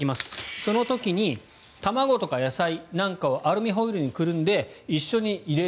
その時に卵とか野菜なんかをアルミホイルにくるんで一緒に入れる。